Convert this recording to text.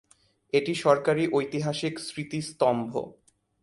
এটি সরকারী ঐতিহাসিক স্মৃতিস্তম্ভ।